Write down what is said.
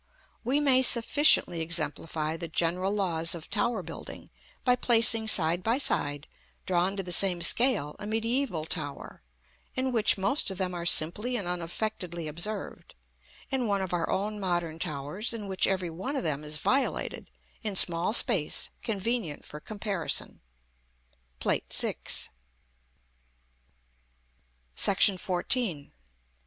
We may sufficiently exemplify the general laws of tower building by placing side by side, drawn to the same scale, a mediæval tower, in which most of them are simply and unaffectedly observed, and one of our own modern towers, in which every one of them is violated, in small space, convenient for comparison. (Plate VI.) [Illustration: Plate VI. TYPES OF TOWERS. BRITISH VENETIAN.